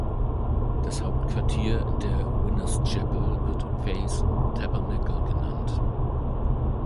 Das Hauptquartier der Winners’ Chapel wird "Faith Tabernacle" genannt.